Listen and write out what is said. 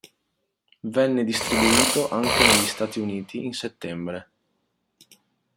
Venne distribuito anche negli Stati Uniti in settembre.